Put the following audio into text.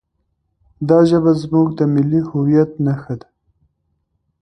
دا ژبه زموږ د ملي هویت نښه ده.